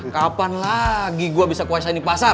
kapan lagi gue bisa kuasain di pasar